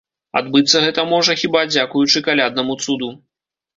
Адбыцца гэта можа, хіба, дзякуючы каляднаму цуду.